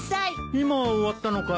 今終わったのかい？